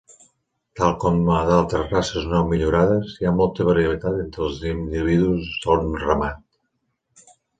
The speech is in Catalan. Tal com a d'altres races no millorades, hi ha molta variabilitat entre els individus d'un ramat.